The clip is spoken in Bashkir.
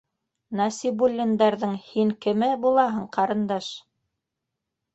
Нәсибуллиндарҙың һин кеме булаһың, ҡарындаш?